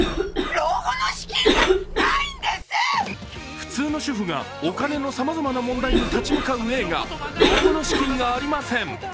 普通の主婦がお金のさまざまな問題に立ち向かう映画「老後の資金がありません！」。